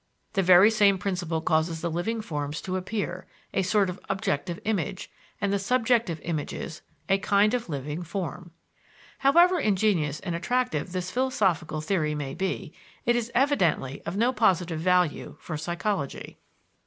"The very same principle causes the living forms to appear a sort of objective image and the subjective images, a kind of living form." However ingenious and attractive this philosophical theory may be, it is evidently of no positive value for psychology.